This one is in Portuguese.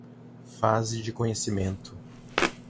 fase de conhecimento